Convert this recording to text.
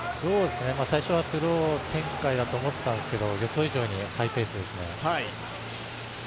最初はスロー展開だと思っていたんですけど、予想以上にハイペースですね。